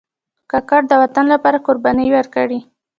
کاکړ د وطن لپاره قربانۍ ورکړي.